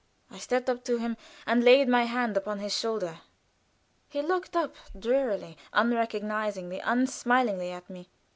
I stepped up to him and laid my hand upon his shoulder. He looked up drearily, unrecognizingly, unsmilingly at me.